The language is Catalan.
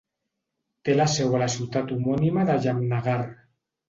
Té la seu a la ciutat homònima de Jamnagar.